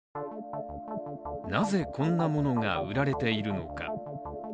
なぜ、こんなものが売られているのか。